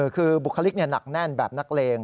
คือบุคลิกหนักแน่นแบบนักเลง